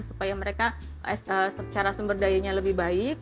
supaya mereka secara sumber dayanya lebih baik